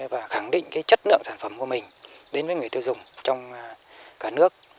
và khẳng định chất lượng sản phẩm của mình đến với người tiêu dùng trong cả nước